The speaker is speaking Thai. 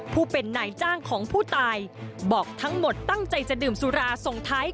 ผู้เป็นนายจ้างของผู้ตายบอกทั้งหมดตั้งใจจะดื่มสุราส่งท้าย